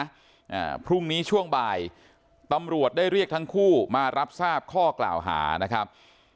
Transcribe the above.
อ่าพรุ่งนี้ช่วงบ่ายตำรวจได้เรียกทั้งคู่มารับทราบข้อกล่าวหานะครับ